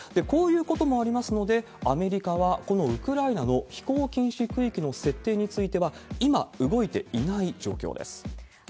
こういうこともありますので、アメリカはこのウクライナの飛行禁止区域の設定については、今動いていない状況です。